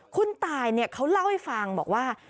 คุณตายเขาเล่าให้ฟังบอกว่า